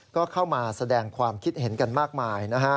ก็เข้ามาแสดงความคิดเห็นกันมากมายนะฮะ